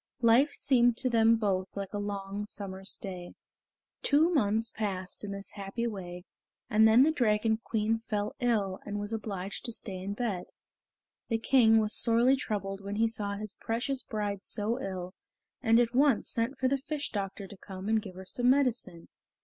Life seemed to them both like a long summer's day. Two months passed in this happy way, and then the Dragon Queen fell ill and was obliged to stay in bed. The King was sorely troubled when he saw his precious bride so ill, and at once sent for the fish doctor to come and give her some medicine.